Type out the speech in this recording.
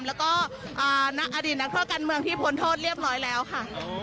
แล้วก็อดีตนักโทษการเมืองที่พ้นโทษเรียบร้อยแล้วค่ะ